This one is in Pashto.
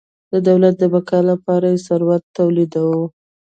د دولت د بقا لپاره یې ثروت تولیداوه.